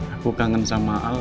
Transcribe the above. aku kangen sama al